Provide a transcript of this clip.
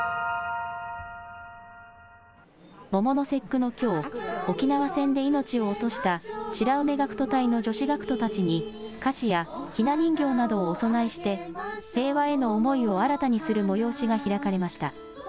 桃の節句のきょう、沖縄戦で命を落とした白梅学徒隊の女子学徒たちに、菓子やひな人形などをお供えして、平和への思いを新たにする催しが開かれました。